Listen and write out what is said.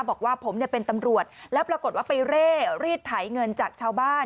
บอกว่าผมเป็นตำรวจแล้วปรากฏว่าไปเร่รีดไถเงินจากชาวบ้าน